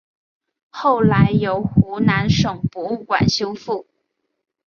后来由湖南省博物馆修复。